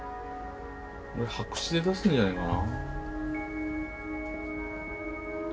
俺白紙で出すんじゃないかな。